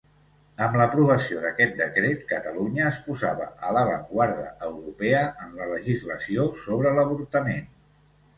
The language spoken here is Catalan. Amb l'aprovació d'aquest decret, Catalunya es posava a l'avantguarda europea en la legislació sobre l'avortament.